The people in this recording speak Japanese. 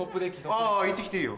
あぁ行って来ていいよ。